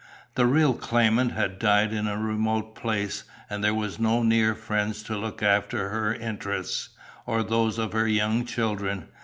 The real claimant had died in a remote place, and there were no near friends to look after her interests, or those of her young children.